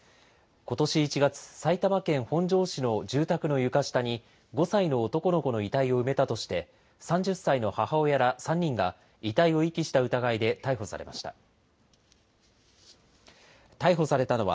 ことし１月、埼玉県本庄市の住宅の床下に、５歳の男の子の遺体を埋めたとして、３０歳の母親ら３人が遺体を遺棄した疑いで逮捕されました。